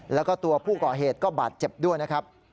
แล้วก็ตัวผู้ก่อเหตุก็บาดเจ็บด้วยนะครับ